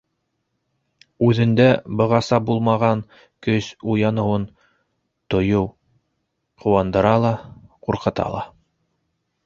Үҙендә бығаса булмаған көс уяныуын тойоу ҡыуандыра ла, ҡурҡыта ла...